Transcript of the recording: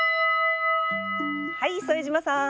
はい副島さん。